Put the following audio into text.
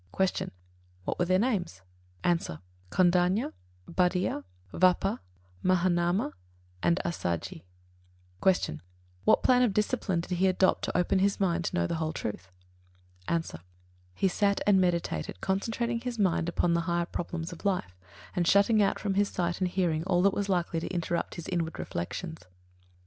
53. Q. What were their names? A. Kondañña, Bhaddiya, Vappa, Mahānāma, and Assaji. 54. Q. What plan of discipline did he adopt to open his mind to know the whole truth? A. He sat and meditated, concentrating his mind upon the higher problems of life, and shutting out from his sight and hearing all that was likely to interrupt his inward reflections.